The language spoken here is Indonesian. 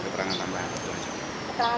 keterangan tambahan itu apa